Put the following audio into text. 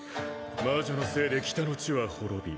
魔女のせいで北の地は滅び